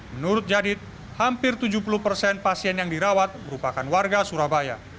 menurut jadid hampir tujuh puluh persen pasien yang dirawat merupakan warga surabaya